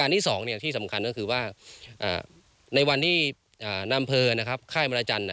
ที่ข้ายมรรจันทร์